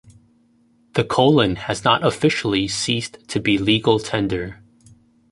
The colon has not officially ceased to be legal tender.